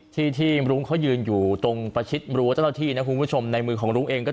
ที่ที่มรุ้งเขายืนอยู่ตรงประชิดมรัวเจ้าต้าที่เพิ่มในมือของมรุ้งเอง